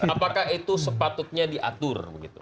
apakah itu sepatutnya diatur